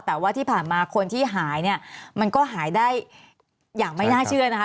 แต่ว่าที่ผ่านมาคนที่หายเนี่ยมันก็หายได้อย่างไม่น่าเชื่อนะคะ